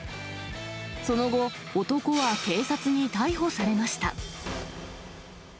その後、男は警察に逮捕されました。